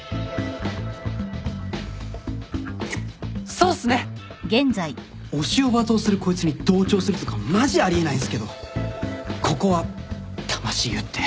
「そうっすね！」推しを罵倒するこいつに同調するとかマジあり得ないんすけどここは魂売って。